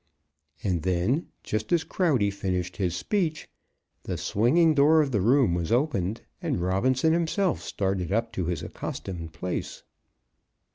And then, just as Crowdy finished his speech, the swinging door of the room was opened, and Robinson himself started up to his accustomed place.